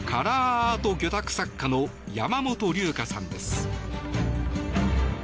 アート魚拓作家の山本龍香さんです。